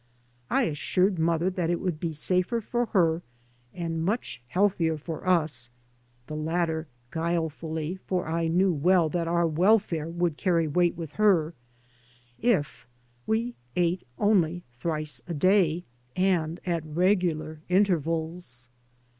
I assured mother that it would be safer for her and much healthier for us (the latter guilefully, for I knew well that our welfare would carry weight with her) if we ate only thrice a day, and at regular intervals.